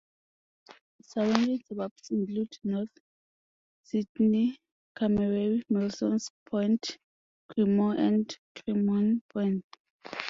Surrounding suburbs include North Sydney, Cammeray, Milsons Point, Cremorne and Cremorne Point.